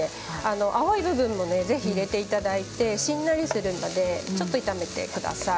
青い部分もぜひ入れていただいてしんなりするのでちょっと炒めてください。